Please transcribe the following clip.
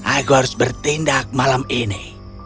aku harus bertindak malam ini